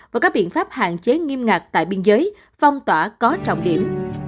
và các biện pháp hạn chế nghiêm ngặt tại biên giới phong tỏa có trọng điểm